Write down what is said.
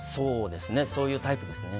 そういうタイプですね。